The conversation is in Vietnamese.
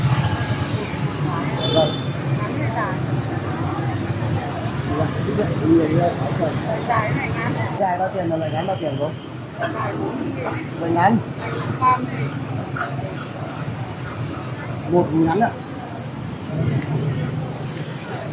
cái này dài